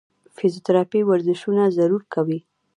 فزيوتراپي ورزشونه ضرور کوي -